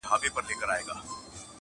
ورته ښکاري ځان له نورو چي ښاغلی.